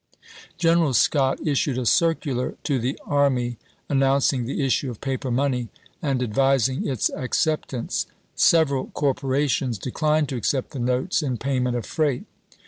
Greneral Scott issued a circular to the army an nouncing the issue of paper money and advising its acceptance. Several corporations declined to accept the notes in payment of freight.